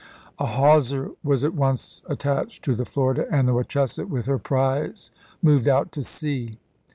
A hawser was at once attached to the Florida, and the Wachusett, with her prize, moved out to sea.